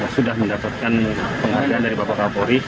sudah mendapatkan penghargaan dari bapak kapolri